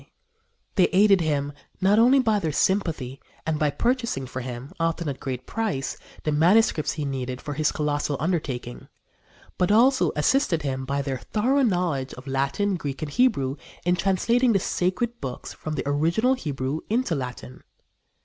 They aided him not only by their sympathy and by purchasing for him, often at a great price, the manuscripts he needed for his colossal undertaking, but also assisted him by their thorough knowledge of Latin, Greek and Hebrew in translating the Sacred Books from the original Hebrew into Latin.